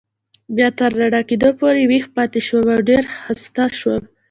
بیا تر رڼا کېدو پورې ویښ پاتې شوم او ډېر و خسته شوم.